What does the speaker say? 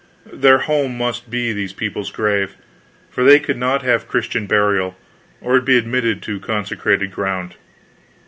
Their home must be these people's grave, for they could not have Christian burial, or be admitted to consecrated ground.